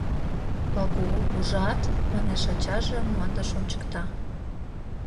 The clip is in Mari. — Пагул, ужат? — манеш ачаже, мландыш ончыкта.